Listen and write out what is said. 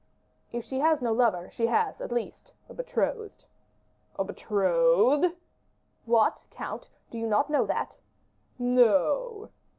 "If she has no lover, she has, at least, a betrothed." "A betrothed!" "What! Count, do you not know that?" "No."